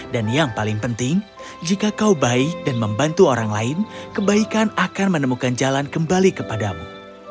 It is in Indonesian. dan yang paling penting jika kau baik dan membantu orang lain kebaikan akan menemukan jalan kembali kepadamu